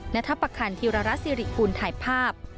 ณทรัพย์ประคันธิราระสิริภูมิถ่ายภาพ